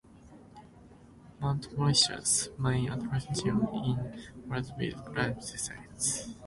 Mount Moriah's main attraction is Wild Bill's gravesite.